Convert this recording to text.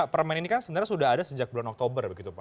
permainan ini kan sebenarnya sudah ada sejak bulan oktober